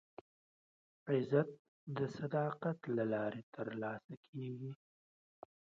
عزت د صداقت له لارې ترلاسه کېږي.